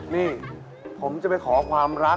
นี่ผมจะไปขอความรัก